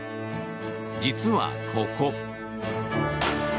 実は、ここ。